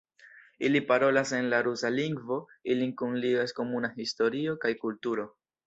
Ili parolas en la rusa lingvo, ilin kunligas komuna historio kaj kulturo.